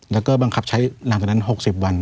แล้วก็บังคับใช้หลังจากนั้น๖๐วัน